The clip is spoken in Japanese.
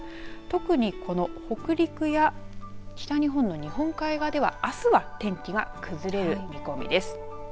特にこの北陸や北日本の日本海側ではあすは天気が崩れる見込みです。